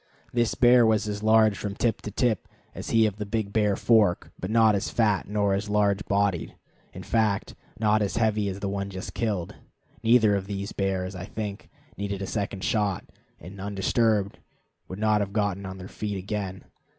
This bear was as large from tip to tip as he of the Big Bear Fork, but not as fat nor as large bodied; in fact, not as heavy as the one just killed. Neither of these bears, I think, needed a second shot, and, undisturbed, would not have gotten on their feet again.